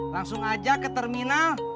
langsung aja ke terminal